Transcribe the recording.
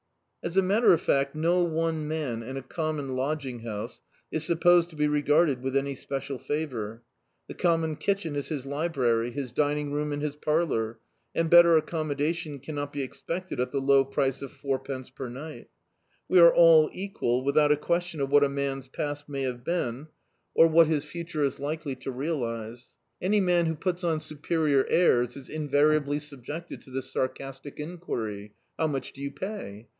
As a matter of fact, no one man in a common lodging house is supposed to be regarded with any special favour. The common kitchen is his library, his dining room and his parlour, and better acccnn modauon cannot be expected at the low price of fouipence per ni^t. We are all equal, without a question of what a man's past may have been, or Dictzed by Google The Autobiography of a Super Tramp what his future is likely to realise. Any man who puts on superior airs is invariably subjected to this sarcastic enquiry — "How much do you pay?"